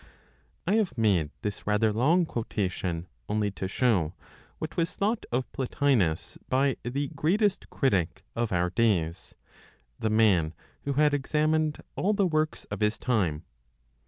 I have made this rather long quotation only to show what was thought of Plotinos by the greatest critic of our days, the man who had examined all the works of his time.